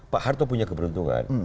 pak harto punya keberuntungan